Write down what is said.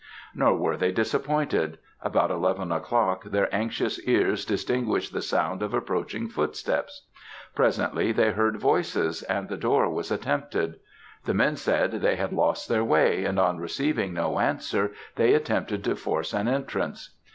"Nor were they disappointed; about eleven o'clock their anxious ears distinguished the sound of approaching footsteps. Presently, they heard voices and the door was attempted; the men said they had lost their way, and on receiving no answer they attempted to force an entrance.